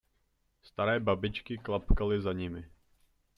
Staré babičky klapkaly za nimi.